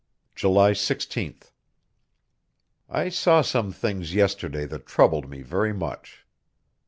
July 16th. I saw some things yesterday that troubled me very much.